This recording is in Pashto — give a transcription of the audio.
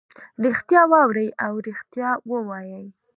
ریښتیا واوري او ریښتیا ووایي.